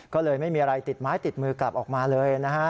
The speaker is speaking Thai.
ก็เลยไม่มีอะไรติดไม้ติดมือกลับออกมาเลยนะฮะ